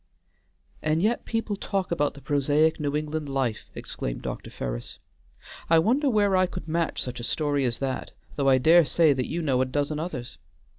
"And yet people talk about the prosaic New England life!" exclaimed Dr. Ferris. "I wonder where I could match such a story as that, though I dare say that you know a dozen others.